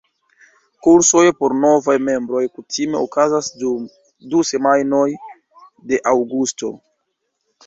Kursoj por novaj membroj kutime okazas dum du semajnoj de aŭgusto.